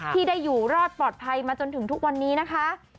ที่ได้อยู่รอดปลอดภัยมาจนถึงทุกวันนี้นะคะ